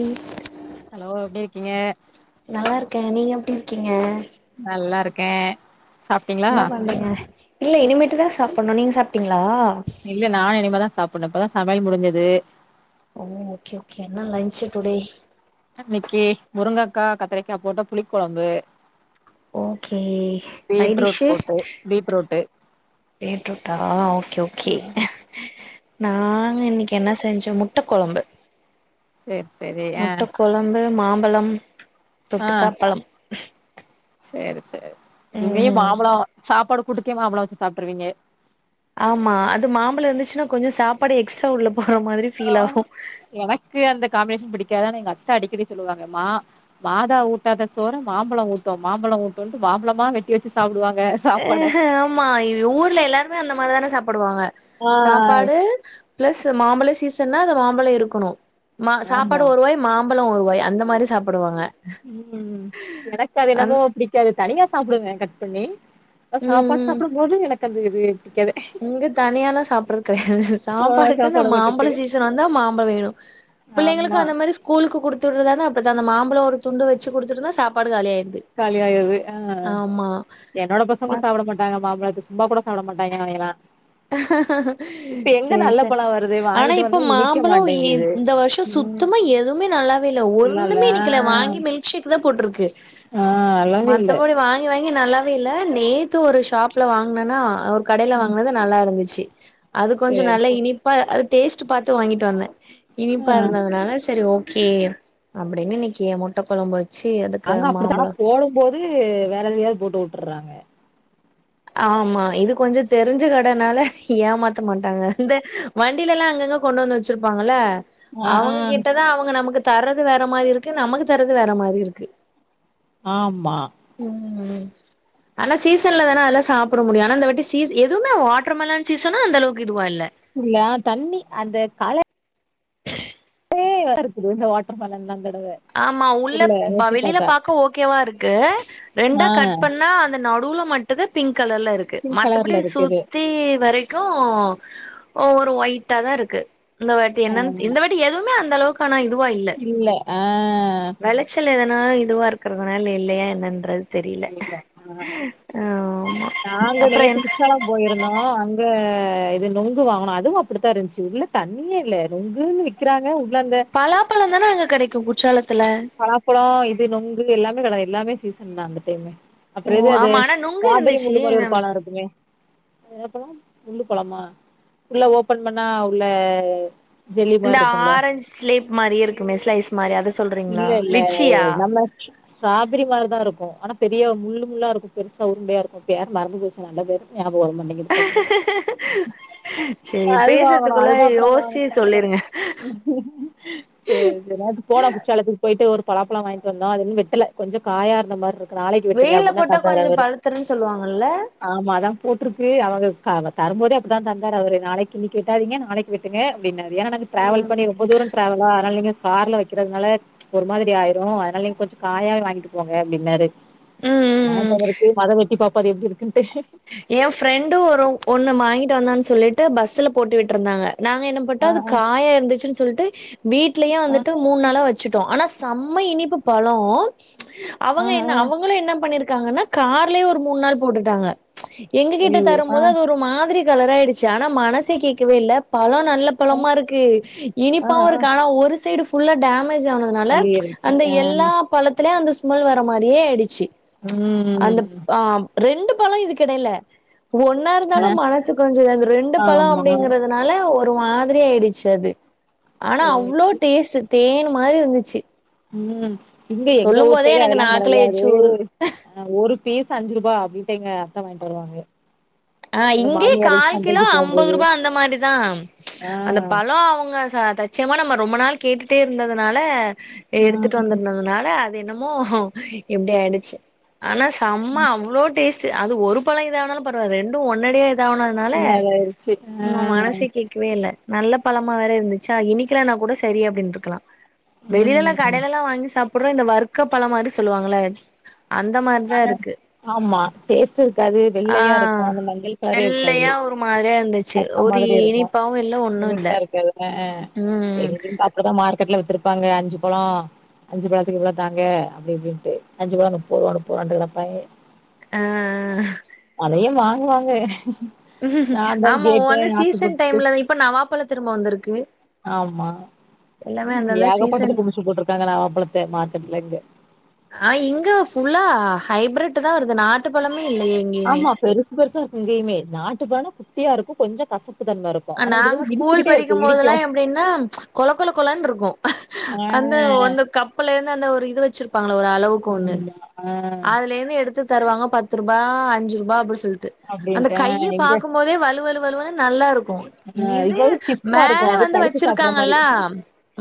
உம் hello எப்படி இருக்கீங்க நல்லா இருக்கே நீங்க எப்டி இருக்கீங்க நல்லா இருக் கேன் என்ன பண்றீங்க இல்ல இனிமேட்டு தான் சாப்புணும் நீங்க சாப்ட்டீங்களா இல்ல நானு இனிமேதான் சாப் கொஞ்சோ இப்பதான் சமையல் முடிஞ்சுது ஓ ஓகே ஓகே என்ன லஞ்ச் டுடே இன்னக்கு முருங்கக்கா கத்திரக்கா போட்ட புளி குலம்பு ஓகே சைடிஸ் போட்டு பீட்ரூட்டு பீட்ரூட்டா ஓகே ஓகே நாங்க இன்னைக்கு என்ன செஞ்சோம் முட்ட கொழம்பு சேரி சேரி ஆ முட்ட குழம்பு மாம் ம்பலம் தொட்டுக்காப்பழம் செரி செரி நீ மாம்பலோ சாப்பாடு குடுக்கே மாம்பலோ வச்சு சாப்ட்ருவீங்க ஆமா அது மாம்பழம் இருந்துச்சுன்னா கொஞ்சம் சாப்பாடு எக்ஸ்ட்ரா உள்ள போற மாதிரி ஃபீல் ஆஹ் ஆகு எனக்கு அந்த காம்பினேஷன் புடி காது எங்க அத்த அடிக்கடி சொல்லுவாங்க மா மாதா ஊட்டாத சோர மாம்பழம் ஊட்டும் மாம்பழம் ஊட்டுண்டு மாம்பழம்மா வெட்டி வச்சு சாப்பிடுவாங்க அஹ் ஹ அம்மா இது ஊர்ல எல்லாருமே அந்த மாதிரிதான சாப் படுவாங்க ஆ சாப்பாடு பிளஸ் மாம்பழ சீசன்னன்னா அந்த மாம்பழம் இருக்கணும் மா சாப்பாடு ஆமா ஒரு வருவாய் மாம் ம்பலம் ஒருவாய் அந்த மாரி சாப்புடுவாங்க உம் எனக்கு அது அந் எனமோ புடிக்காது தனியா சாப்புடுவேகட் பண்ணி ம் சாப்பாடு ம் சாப்டும் போது எனக் [unintelligible] இங்க தனியெல்லாம் சாப்பிறது கிடையாது ஆ சாப்பாடுக்கு அந்த சாப்பாடு தொட்டுக்கு மாம்பழம் சீசன் வந்தா மாம்பழ வேணும் ஆமா பிள்ளைங்களுக்கு அந்த மாரி ஸ்கூலுக்கு குடுத்துறதானே பெருசா அந்த மாம்பலம் ஒரு துண்டு வச்சு குடுத்துட்டுன்னா சாப்பாடு காலி ஆயி காலிய ஆயர்து அஹ் என்னோட பசங்களும் மத் சாப்பிட மாட்டாங்க மாம்பழத் சும்மா கூட சாப்பிட மாட்டாங்கா இவ செரி சா பழோ வருது ஆனா வாங்கிட்டு இப்ப வந்தா இனிக்க மாம்பழம் மாட்டேங்குது இந்த வருஷம் ம் சுத்தமா எதுவுமே நல்லாவே இல்ல நல்லால்ல ஒண்ணுமே நிக்கல வாங்கி மில்க்ஷேக்கு தான் போட்டிருக்கு ஆ நல்லாவே இல்ல மத்துபடி வாங்கி வாங்கி நல்லாவே இல்ல நேத்து ஒரு ஷாப்ல வாங்கினன்னா ஒரு கடையில ம் வாங்குனத நல்லாயிருந்துச்சி அது கொஞ்ச சேரி நல்லா சேரி இனிப்பா அக் டேஸ்ட்டு பாத்து வாங்கிட்டு வந்தேன் இனிப்பா ஆ இருந்ததுனால சரி ஓக் கே அப்படின்னு இன்னைக்கு முட்டகொழம்பு வ அங்க அப்படித்தானா போடும் போது வேற எதையாவது போட்டு உட் ட்டுறாங்க ஆமா இது கொஞ்சம் தெரிஞ்ச கடனால ஏமாத்த மாட்டாங்க இந்த வண்டியில எல்லாம் அங்கங்க கொண்டு வந்து வச்சிருப்பாங்கல ஆ ஆ அவங்க கிட்டதான் அவங்க நமக்குத் தர்றது வேற மாரி இருக்கு நமக்கு தர்றது வேற மாரி இருக்கு ஆம்மா உம் உம் உம் ஆனா சீசன்ல தான அதல்லாம் சாப்புட முடியும் ஆனா இந்த வாட்டி சீ எதுவுமே வாட்டர்மலன் சீசனு அந்த அளவுக்கு இதுவா இல்ல இல்ல தண்ணி அந்தக் கால [unintelligible] இருக்குது இந்த வாட்டர் மெலன் ஐ அந்த ஆமா உள்ள ப வெளியில பாக்க ஓகேவா இருக்கு ரெண்டா ஆ கட் பண்ணா அந்த நடுவுல மட் டும் பிங்க் கலர்ல இருக்கு பிங்க் மத்த படி கலர்ல இருக்குது சுத்தி வரைக்கும் ஓ ஒரு ஒயிட்டா தான் இருக்கு இந்த வாட்டி என்னன்னு ஆமா இந்த வாட்டி எதுவுமே அந் தளவுக்கு பணம் இதுவா இல்ல ஆஹ் வெளைச்சல் எதனா இது இதுவா இருக்கிறதுனால இல்லையா என்னன்றது தெரியல ஆமா நாங்க அப்புற நேத்து என் குற்றாலம் போயிருந்தோம் அங்க இது நுங்கு வாங்கணும் அதுவும் அப்படித்தான் இருந்துச்சு உள்ள தண்ணியே இல்ல நுங்குன்னு விக்கிறாங்க உங்க பலா பழம் தானே அங்க கெடைக்கும் சலக் பலாப்பழம் இது நுங்கு எல்லாமே கட எல்லாமே சீசன் தான் அந்த டைமே அப்புறம் எது ஓ அது ஆமா ஆனா நுங்கு ஸ்ட்ராபெரி இருந்துச்சு முள்ளு மாரி ஒரு பழம் இருக்குமே ன்னா பழம் நுங்கு பழமா உள்ள ஓபன் பண்ணா உள்ள ஜெல்லி இந்த மாரி இருக்குல்ல ஆரஞ்ச் ஸ்லேப் மாரி இருக்குமே ஸ்லைஸ் மாரி அத சொல்றீங்களா இல்ல இல்ல லிச்சியா நம்ம ஸ்ட்ராபெரி மார்தான் இருக்கும் ஆனா பெரிய முள்ளு முள்ளா இருக்கும் பெருசா உருண்டையா இருக்கும் பேரு மறந்து போச்சு நல்ல பேரு ஞாபகம் வர மாட்டேங்குது டக்குனு சரி அது வாங்கனு பேசுறதுக்குள்ள அதுதான் அப்புறம் யோசிச்சு செரி சொல்லிருங்க செரி போன போகட்டும் போயிட்டு ஒரு பலாப்பலம் வாங்கிட்டு வந்தோம் அது இனு வெட்டல கொஞ்சம் காயா இருந்தமாரி இருக்கு நாளைக்கு வெட்டுங்க வெயில்ல அப்படின் தான் போட்டா தந்தாரு கொஞ்சோ அவரு பழுத்துருன்னு சொல்லுவாங்கல்ல ஆமா அதான் போட்டிருக்கு அவங்கக்காக தரும்போதே அப்படிதான் தந்தார்ரு அவரு நாளைக்கு இன்னிக்கு வெட்டாதீங்க நாளைக்கு வெட்டுங்க நெறய ட்ராவல் ம் பன்னி ரொம்ப தூரம் ட்ராவால் ஆனால நீங்க கார்ல வைக்கிறதுனால. ம்ச் ஒரு மாதிரி ஆயிரு அதனால நீங்க கொஞ்சோ காயா வாங்கிட்டு போங்க அப்படின்னாரு. ம் வாயிட்டு வந்துருக்கு அத வெட்டி பா. பாரு எப்டி இருக்குனு. எ ஃப்ரெண்டு வரும் ஒண்ணு வாங்கிட்டு வந்தா சொன். சொல்லிட்டு பஸ்ல போட்டு விட்டுருந்தாங்க. நாங்க என்ன பண்டோ ஆ அது ஆ காயா இருந்துச்சுன்னு சொல்லிட்டு. வீட்லயே வந்துட்டு மூணு நாளா வச். வச்சுட்டோ ஆனா செம்ம இனிப்பு பழோ. ஆ ஆ அவங்க என்ன ஆ அவங்களு என்ன பண்ணிருக். இருக்காங்கன்னா கார்லயே ஒரு மூணு நாள் போட்டுட்டாங்க. எங்க கிட்ட ஐயையோ தரும் ஆ போது அது ஒரு மாதிரி. கலர் ஆயிடுச்சு ஆனா மனசே கேட்கவே இல்ல பழோ. நல்ல ஆ பழமா இருக்கு ஆ இனிப்பாவு ஆ இருக்கு ஆனா ஒரு சைடு. உள்ள டேம். டேமேஜ் ஆனதுனால அழுகை ம்ச் இருந்துச்சு அந்த ஆ எல்லா பழத்துலயு அந்த. தும்மல் வர மாரியே ஆயிடுச்சு. உஹம். அந்த ஆ ரெண்டு பழோ இதுக்கு. இடையில. ஒன்னா ஆ இருந்தாலு மனசு கொஞ்சோ அந்த ரெண்டு பழோ ஆமா அப்படிங்குறதுனால. ஒரு மாதிரி ஆயிடுச்சு அது. ஆனா சேரி அவ்வளோ டேஸ்ட்டு. தேன் மாதிரி இருந்துச்சு. உம். இங்க எங்க சொல்லும் ஊர் போதே சைடு எனக்கு அதெல்லா நாக்குல கெடையாது. எச்சு ஊருது ஒரு பீஸ் அஞ்சு ரூபா அப்புடின்ட்டு எங்க அத்த வாங். [unintelligible] அஹ இங்கேயே கால் கிலோ ஐம்பது ரூபா அந்த மாரிதா ம்ச் ஆ அந்த பழோ அவங்க சாப். தச்சமா நம்ம ரொம்ப நாள் கேட்டுட்டே இருந்ததுனால. ஆ எடுத்துட்டு வந்துருந்ததுனால. என்னமோ இப்டி ஆயிடுச்சு. ஆனா செம்ம அவ்வளோ டேஸ்ட். ச்சு அது ஒரு பழோ இது ஆனாலு பரவால ரெண்டு. து உன்னடியேது. இதானதுனால நல்லாயிருச்சு ஆ எ மனசே கேக்கவே இல்ல. நல்ல பழமா வேற இருந்துச்சா இனிக்கலனா கூட சரி அப்டின்ருக்கலா வெளியல்லா ம் கடைலெல்லா வாங்கி சாப் புற இந்த வர்க்க பழம் மாரி சொல்லுவாங்கள அந்த மாரிதா இருக்கு பேச சு இருக்காது வெள்ளையா இருக்கு ஆ அந்த மங்கள்பாரே இருக்காது அ இருந்துச்சு சக்க ஒரு மாதிரி இருக்கு இனிப்பாவு இல்ல ஒண்ணு இல்ல ம் [unintelligible] அப்டிதா மா ர்கெட்ல வித்திருப்பாங்க அஞ்சு பழோ அஞ்சு பழத்துக்கு இவ்ளோத்தாங்க அப்டி இப்டின்ட்டு அஞ்சு பழொ முப்பருவா முப்பருவான்டு கடப்பாங்க ஆ அதையவா ங்குறாங்க ஆமா நாந்தா‌கேட்டே வந்து சீசன் ஆசப்பட்டு டைம்ல இப்ப நவாப்பழ திரும்ப வந்திருக்கு ஆமா எல்லாமே அந்தந்த சீசன் ஏகப்பட்டது குமிச்சு போட்டுருக்காங்க நவ்வாபழத்த மார்க்கெட்ல இங்க ஆ இங்க ஃபுல்லா ஹைப்ரிட்டு தா வருது நாட்டு பழமே இல்லையே எங்கேயுமே ஆமா பெருசு பெருசா இருக்கு இங்கயுமே நா ட்டு பழொ குட்டியா இருக்கு கொஞ்ச கச நாங்க ஸ்கூல் படிக்கும் போதுல்லா இடிக்கும் எப்டினா கொல் கொல கொலன்ருக்கு ஆ அந்த அந்த கப்புலெந்து அந்த ஒரு இது வச்சிருப்பாங்கள ஒரு அளவுக்கு ஒண்ணு ஆமா ஆ அதுல இருந்து எடுத்து தருவாங்க பத்து ரூபா அஞ்சு ரூபா அப்டி சொல்ட்டு அந்த அப்டின்ட்டு கைய எங்க பாக்கும் போதே வலு வலு வலு வ நல்லாருக் கூ இது வந்து ஸ்டிஃப்ஃபா மேல இருக்கும் அப்டியே வந்து கடிச்சு சாப்ட்ற மாரி வச்சிருக்காங்கல்ல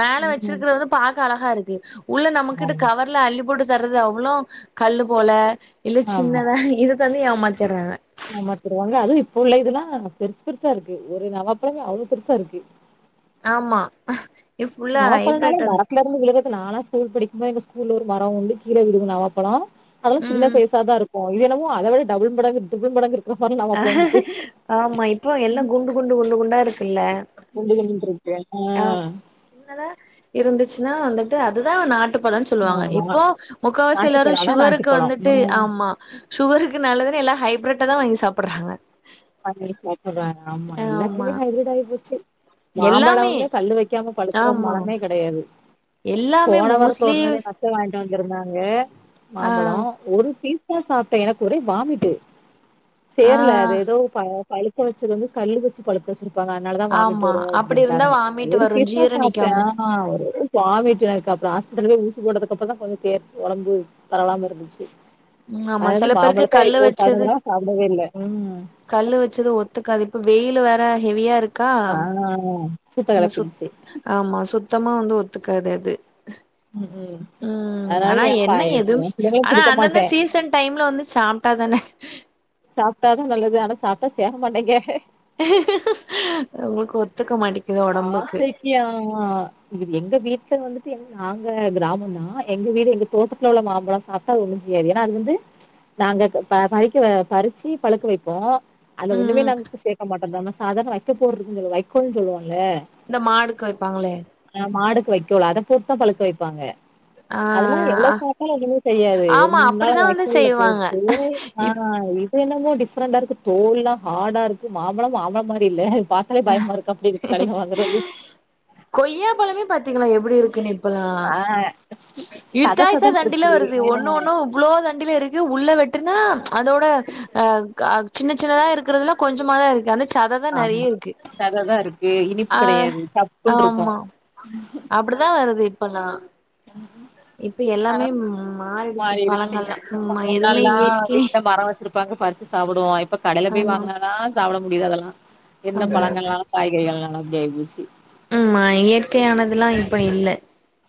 மேல ம் வச்சுருக்றது பாக்க அழகா இருக்கு உள்ள நம்மகிட்ட ஆமா கவர்ல அள்ளி போட்டு தர்றது அவ்ளோ கல்லுப் போல இல்ல சின்னதா இது து வந்து ஏமாத்திர்றாங்க ஏமாத்திருவாங்க அதுவு இப்ப உள்ள இதுல்லா பெருசு பெருசா இருக்கு ஒரு நவாப்பழமே அவ்ளோ பெருசா இருக்கு ஆமா இது ஃபுல்லா நவாப்பழனாலே ஹைப்ரேட் அது மரத்லருந்து விழுக நானா ஸ்கூல் படிக்கும்போ எங்க ஸ்கூல்ல ஒரு மரோ உண்டு கீழ விழுகு நவாபழொ அதெல்லா சின்ன ம் சைசா தா இருக் கு இது என்னவோ அத விட டபுள் மடங்கு ட்ரிபிள் மடங்கு இருக் ஆமா இப்ப எல்லா குண்டு குண்டு குண்டு குண்டா இருக் [unintelligible] ஆ சின்னதா எப் இருந்துச்சுன்னா வந்துட்டு அதுதான் நாட்டுப் பழம் சொல்லுவாங்க ஆமா. இப்போ முக்கவாசி எல்லாரும் நாட்டுப்பழம் அதான் சுகருக்கு நாட்டுப்பழம். வந்துட்டு ம். ஆமா சுகருக்கு நல்லதுன்னு எல்லா ஹைப்ரட்டா தான் வாங்கி சாப்றாங்க [unintelligible] ஆமா ஆமா எல்லாதுலயும் ஹைபிரிட் ஆகி போச்சு எல்லாமே மாம்பழமுமே கல்லு வைக்காம பழுக்கற ஆமா மழமே கெடையாது [inaudible] எல்லாமே போன வாரத்துல மோஸ்ட்லி ஒரு நாலு எங்க அத்த வாங்கி வந்திருந்தாங்க ஆ மாம்பழம் ஒரு பீஸ் தா சாப்ட எனக்கு ஒரே வாமிட்டு ஆ சேரல அது ஏதோ பழுக்க வச்சது வந்து கல்லு வச்சு பழுக்க வச்சிருப் பாங்க அதனாலதான் வாமிட்டு ஆமா வரும் அப்டி இருந்தா அப்படின்ட்டாங்க வாமிட் ஒரு வரு பீஸ்தா ஜீர சாப்டே நிக்காம ஒரு வாமீட்டுல இருக்க அப்புரோ ஆஸ்பிட்டல போய் ஊசி போட்டதுக்கு அப்புற தான் கொஞ்ச தேர்சி ஓடம்பு பரவால இருந்துச்சி ம் ஆமா அதுலருந்து சில பேருக்கு மாம்பழத்தை கல்லு இப்போ வச்சது பதிநஞ்சுநாளா சாப்புடவே இல்லை கல்லு வச் ஒத்துக்காது இப்போ வெயிலு வேற ஹெவியா இருக் கா ஆ சூட்ட இங்க சுத் கெளப்பிருச்சு ஆமா சுத்தமா ஒத்துக்காது அது ம் ம் உம் அதனால ஆனா ஏ பா என்ன எ எதுவுமே பிள்ளைங்களுக்கு ஆனா குடுக்க அந்தந்த மாட்டே சீசன் டைம்ல வந்து சாப்டாதான சாப்டா தா நல்லது ஆனா சாப்டா சேரமடேங்கே ஏ நம்மளுக்கு ஒத்து ஆசைக்கு ஆஅஅ இது எங்க வீட்ல வந்து நாங்க கிராமம்தான் எங்க வீடு எங்க தோட்டத்துல உள்ள மாம்பழம் சாப்டா ஒண்ணுச் செய்யாது ஏன்னா அது வந்து நாங்க பறிக்க பறிச்சு பழுக்க வைப்போம் அதுல ஒண்ணுமே ம் நாங்க சேக்க மாட்டோ தானா சாதாரண வைக்க போர் இருந்துல வைக்கோல்ணு சொல்லுவாங்க ஆஹ் இந்த மாடுக்கு வைப்பாங்களே நா மாடுக்கு வைக்கோல் அத கொத்தா பழுக்க வைப்பாங்க ஆ அதுலாம் எவ்லோ அ சாப்டாலும் எதுவுமே செய்யாது ஒரு ஆமா மூணுநாள் அப்டிதா வந்து வக்கோல்ல செய்வாங்க போட்டு இப் ஆஹ் என்னமோ டிப்ரெண்ட்டா இருக்கு தோல்லா ஹாடா இருக்கு மாம்பழம் மாம்பழ மாரி இல்ல பாத்தாலே பயமாருக்கு அப்டினு கொய்யா பழமே பாத்தீங்களா எப்டி இருக் [unintelligible] ஆ ஹான் சத இந்தா இந்தா சதன்னு தண்டில இருக்கு வருது ஒன்னு ஆ ஒன்னும் இவ்வளோ தண்டில இருக்கு உள்ள வெட்டுனா அதோட ஹஹ் சின்ன சின்னதா இருக்கிறதுல கொஞ்சமா தான் இருக்கு அன சத தான் நரய இருக்கு சத தான் இருக்கு இனிப்பு ஆ கிடையாது சப்புனு இருக்குகோ அப்படிதான் வருது இப்பள்ளா ஆ ஆஹ மாறிடுச்சு மாறி இருச்சு பழங்கள்லா ஆமா எதுவுமே முன்னல்லாம் இயற்கை வீட்டுல மரம் வச்சிருப்பாங்க பறிச்சு சாப்பிடுவோம் ஹான் இப்ப கடையில போய் ஆமா வாங்குனதான் சாப்படா முடிதா அதெல்லாம் என்ன ஆமா பழங்கள்னாலு காய்கறிகள்னாலு ஏய் உசி ஆம்மா இயற்கையானதுல்லாம் இப்டி இல்ல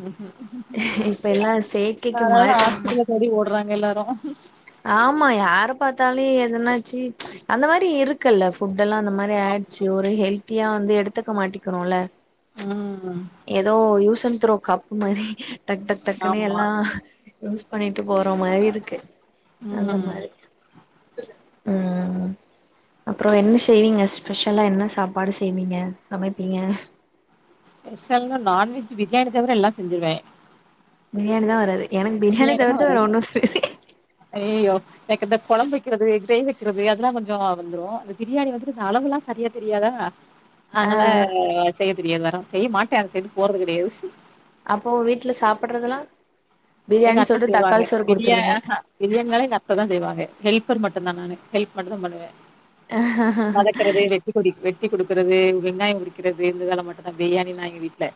ம் இப்ப எல்லா செயற்கைக்கு அதாது மாறிட்டாங்க ஹாஸ்பிட்டல தேடி ஓடுறாங்க எல்லரு ரும் ஆமா யார பார்த்தாலே எதனாச்சு அந்த மாரி இருக்குல்ல ஃபுட் எல்லாம் அந்த மாரி ஆயிடுச்சு ஒரு ஹெல்த்தியா வந்து எடுத்துக்க மாட்டிகறோம்ல ம் ஏதோ யூசன் யூ ண்த்ரோ கப்பு மாறி டக் டக் டக்குனி ஆமா எல்லாம் யூஸ் பண்ணிட்டு போற மாரி இருக்கு அந்த ம் மாரி உம் அப்புறம் என்ன செய்வீங்க ஸ்பெஷலா என்ன சாப்பாடு செய்வீங்க சமைப்பீங்க ஸ்பெஷல் நான் நான்வெஜ் பிரியாணி தவிர எல்லாம் செஞ்சிருவேன் பிரியாணி தான் வராது எனக்கு பிரியாணி தான் தவிர்த்து வரா வேற ஒன்னு தெரியாது. ஐயையோ எனக்கு இந்த குலம்பு வைக்கிறது டை வக்குறது மியாதி எல்லாம் கொஞ்சம் வந்துடும் அந்த பிரியாணி வந்துட்டு இந்த அளவுல்லாம் சரியா தெரியாதா ஆ அதனால ஹா செய் தெரியாவரம் செய்யமாட்டேன் அந்த சைட்டு போறது கிடையாது அப்போ வீட்டுல சாப்படுறதுல்லாம் எங்க அத்த செய்வாங்க பிரியா பிரியாணினாலே எங்க அத்தான் செய்வாங்க ஹெல் ஹெல்பர் மட்டும்தான் நானு ஹெல்ப் மட்டும் பண்ணுவேன் மதக்கரது வெட்டி கொடிப்பு ட்டி குடுக்குறது வெங்காய உரிக்கிறது இந்த வேல மட்டு தா பிரியாணினா எங்க வீட் ல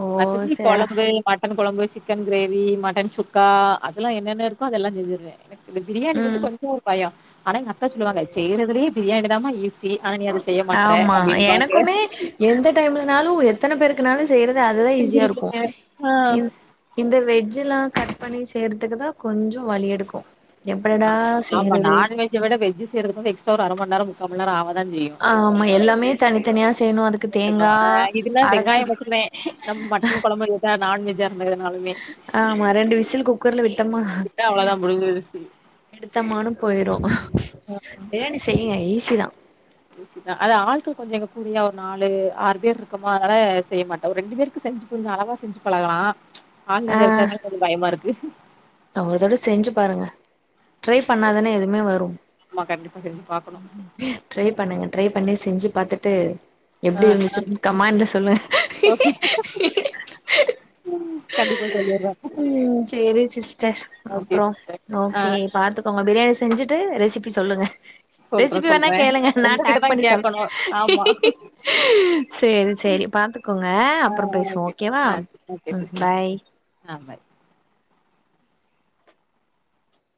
ஓ [unintelligible] சே கொழம்பு மட்டன் கொழம்பு சிக்கன் கிரேவி மட் டன் சுக்கா அதல்லா என்னென்ன இருக்கோ அதெல்லா செஞ்சுருவே எனக் இந்த பிரியாணி மட்டு ம் கொஞ்சொ ஒரு பயொ ஆனா எங்க அத்தா சொல்லுவாங்க செய்யறதுலயே பிரியாணி தாமா ஈ ஆமா எனக்குமே எந்த டைம்லனாலு எத்தன பேரு க்குனாலு செய்றது அதுதா ஈஸியா இருக்கு செஞ்சுருவேன். ஆ. இந் இந்த வெஜ்ஜூலா கட் பண்ணி செய்றதுக்குதா கொஞ்சொ வலி எடுக்கு ஆ எப்படா ஆமா செய்றது நான் வெஜ்ஜ விட வெஜ்ஜு செய்றதுக்கு வந்து எக்ஸ்ட்ரா ஒரு அர மணி நேரொ முக் காமண்நேர‌ ஆவ [unintelligible] [inaudible] ஆமா எல்லாமே தனித்தனியா செய்யணு அதுக்கு [unintelligible] தேங்கா ஆ இதுல அரச்சு வெங்காயம் மட்டுந்தே நம் மட்டன் கொழம்பு இதா த நான்வெஜ்ஜா இருந்தா எதுனாலுமே ஆமா ரெண்டு விசில் குக்கர்ல விட்டோமா விட்டா அவ்ளோதா முடிஞ்சிருச்சு எடுத்தமானு போயிரு பிரியாணி செய்யெ ஈ சி தா ஈசிதா அது ஆள்கள் கொஞ்ச இங்க கூடியா ஒரு நாலு ஆறு பேர் இருக்கமோ அதனால செய்ய மாட்ட ஒரு ரெண்டு பேருக்கு செஞ்சு கொஞ்ச அளவா செஞ்சு பழகலா ஆள் நெறைய இருக்கறனாலா கொஞ்ச பயமா இருக்கு அ ஒரு தடவ செஞ்சு பாருங்க ட்ரை பண்ணாதானே எதுமே வரு ஆமா கண்டிப்பா செஞ்சு பாக்கணு ட்ரை பண்ணுங்க ட்ரை பண்ணி செஞ்சு பாத்துட்டு ஆ எப்டி ஆ இருந்துச்சுன்னு கமாண்ட்ல சொல்லுங்க கண்டிப்பா சொல்லிர்றே டர் ஓகே அப்றொ சிஸ்டர் ஆ ஓகே பாத்துக்கோங்க அப் பிரியாணி செஞ்சுட்டு ரெசிபி சொல்லுங்க சொல்றே ரெசிபி வேணா சொல்றே கேளுங்க நா டேக் உங்ககிட்டதா பண்ணி சொல்ற கேக்கணு ஆமா சேரி சேரி பாத்துக்கோங்க ஆ அப்றம் பேசுவோ ஓகே ஓகேவா ஆ ஓகே ம் சிஸ் பாய் ஆமாம்